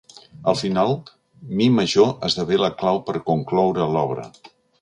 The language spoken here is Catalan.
Al final, mi major esdevé la clau per concloure l'obra.